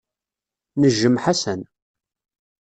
Nejjem Ḥasan.